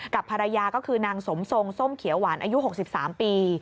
กับภรรยาก็คือนางสมทรงส้มเขียวหวานอายุ๖๓ปี